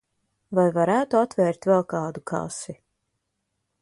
Vai varētu atvērt vēl kādu kasi?